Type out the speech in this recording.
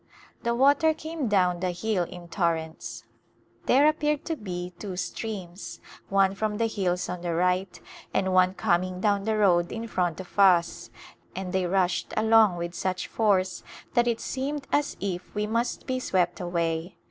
The water came down the hill in tor A New Companion rents. There appeared to be two streams, one from the hills on the right and one coming down the road in front of us, and they rushed along with such force that it seemed as if we must be swept away.